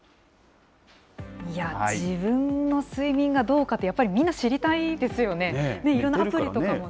いや、自分の睡眠がどうかってやっぱりみんな、いろんなアプリとかもね。